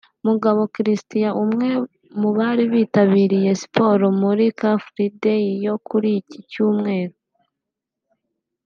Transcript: Mugabo Christian Umwe mu bari bitabiriye Siporo muri Car Free Day yo kuri iki Cyumweru